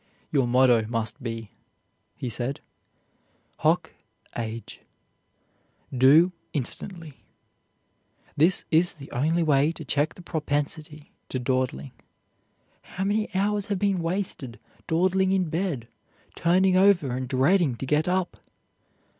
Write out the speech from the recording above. "Your motto must be," he said, "Hoc age," do instantly. This is the only way to check the propensity to dawdling. How many hours have been wasted dawdling in bed, turning over and dreading to get up!